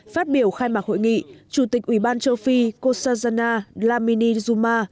phát biểu khai mạc hội nghị chủ tịch ủy ban châu phi kosadjana dlamini zuma